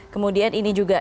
kemudian ini juga